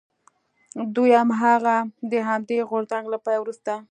دویم هغه د همدې غورځنګ له پای وروسته.